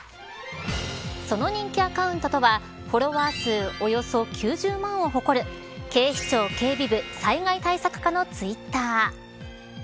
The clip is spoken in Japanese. その人気アカウントとはフォロワー数およそ９０万を誇る警視庁警備部災害対策課のツイッター。